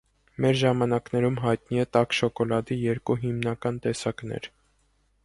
Մեր ժամանակներում հայտնի է տաք շոկոլադի երկու հիմնական տեսակներ։